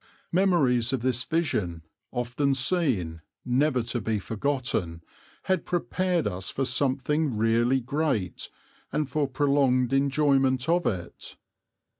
Memories of this vision, often seen, never to be forgotten, had prepared us for something really great and for prolonged enjoyment of it.